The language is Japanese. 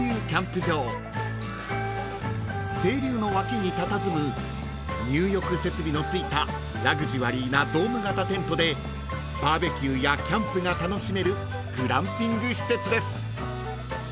［清流の脇にたたずむ入浴設備の付いたラグジュアリーなドーム型テントでバーベキューやキャンプが楽しめるグランピング施設です］